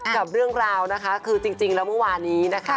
กับเรื่องราวนะคะคือจริงแล้วเมื่อวานนี้นะคะ